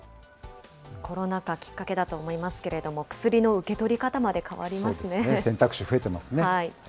コロナ禍、きっかけだと思いますけれども、薬の受け取り方ま選択肢増えてますね。